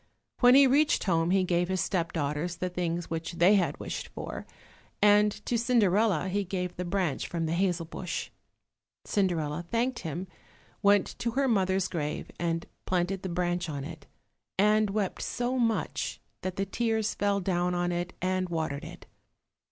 When he reached home he gave his step daughters the things which they had wished for, and to Cinderella he gave the branch from the hazel bush. Cinderella thanked him, went to her mother's grave and planted the branch on it, and wept so much that the tears fell down on it and watered it.